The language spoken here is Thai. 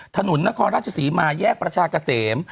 ถนนนครราชศรีมาแยกประชากะเสม